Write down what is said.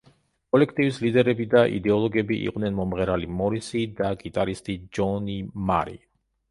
კოლექტივის ლიდერები და იდეოლოგები იყვნენ მომღერალი მორისი და გიტარისტი ჯონი მარი.